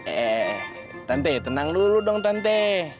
eh tante tenang dulu dong tente